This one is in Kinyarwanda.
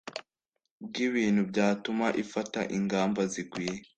bw ibintu byatuma ifata ingamba zikwiye